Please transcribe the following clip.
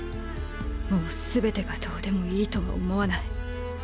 もうすべてがどうでもいいとは思わない。